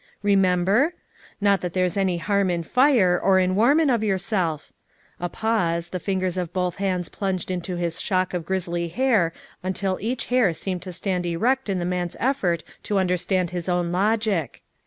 Ee member? Not that there's any harm in fire, or in warmin' of yourself;' a pause, the fingers of both hands plunged into his shock of grizzly hair until each hair seemed to stand erect in the man's effort to understand his own logic.